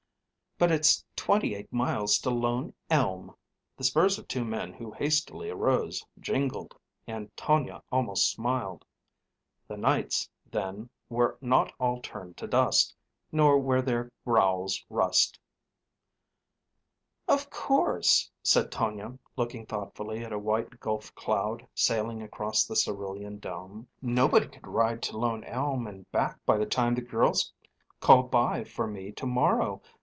But it's twenty eight miles to Lone Elm." The spurs of two men who hastily arose jingled; and Tonia almost smiled. The Knights, then, were not all turned to dust; nor were their rowels rust. "Of course," said Tonia, looking thoughtfully at a white gulf cloud sailing across the cerulean dome, "nobody could ride to Lone Elm and back by the time the girls call by for me to morrow.